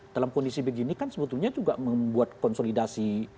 dalam kondisi begini kan sebetulnya juga membuat konsolidasi